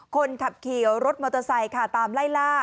คนขับเคี่ยวรถมอเตอร์ไซค์ตามล่ายล่า